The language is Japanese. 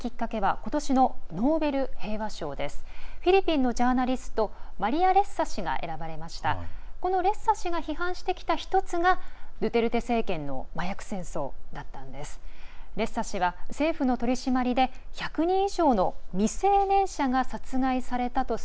このレッサ氏が批判してきた１つがドゥテルテ政権の麻薬戦争だったんです。